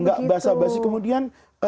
nggak basa basi kemudian